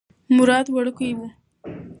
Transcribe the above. مراد وړوکی و.